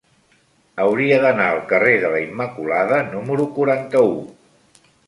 Hauria d'anar al carrer de la Immaculada número quaranta-u.